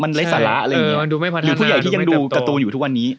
มันไร้สาระอะไรอย่างนี้หรือผู้ใหญ่ที่ยังดูการ์ตูนอยู่ทุกวันนี้